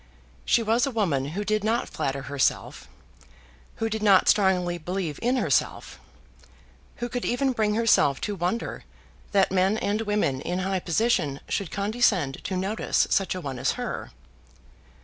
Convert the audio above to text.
She was a woman who did not flatter herself, who did not strongly believe in herself, who could even bring herself to wonder that men and women in high position should condescend to notice such a one as her.